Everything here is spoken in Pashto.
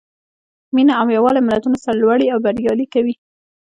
مینه او یووالی ملتونه سرلوړي او بریالي کوي.